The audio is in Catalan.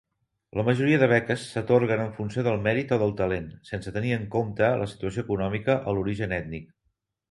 La majoria de beques s'atorguen en funció del mèrit o del talent, sense tenir en compte la situació econòmica o l'origen ètnic.